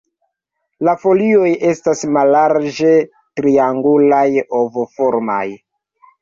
La folioj estas mallarĝe triangulaj- ovoformaj.